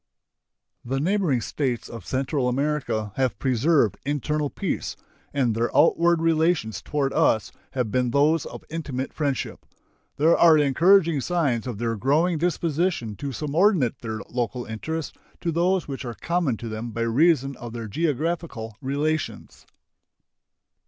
The neighboring States of Central America have preserved internal peace, and their outward relations toward us have been those of intimate friendship. There are encouraging signs of their growing disposition to subordinate their local interests to those which are common to them by reason of their geographical relations.